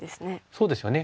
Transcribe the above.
そうですよね